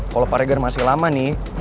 kalau pak regar masih lama nih